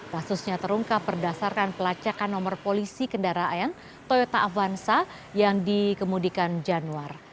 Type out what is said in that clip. kasusnya terungkap berdasarkan pelacakan nomor polisi kendaraan toyota avanza yang dikemudikan januar